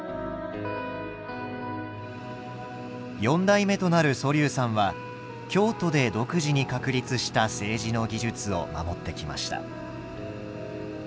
四代目となる蘇嶐さんは京都で独自に確立した青磁の技術を守ってきました。